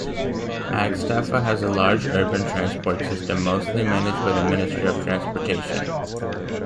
Aghstafa has a large urban transport system, mostly managed by the Ministry of Transportation.